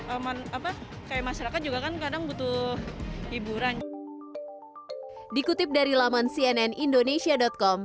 aman apa kayak masyarakat juga kan kadang butuh hiburan dikutip dari laman cnnindonesia com